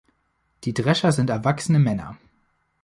Die Drescher sind erwachsene Männer.